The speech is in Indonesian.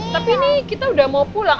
tapi ini kita udah mau pulang